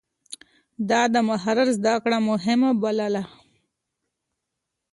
ده د مهارت زده کړه مهمه بلله.